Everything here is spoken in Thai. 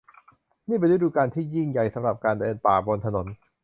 นี่เป็นฤดูกาลที่ยิ่งใหญ่สำหรับการเดินป่าบนถนน